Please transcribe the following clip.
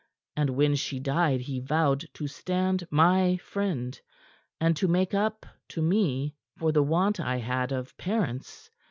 And when she died he vowed to stand my friend and to make up to me for the want I had of parents.